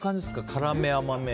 辛め？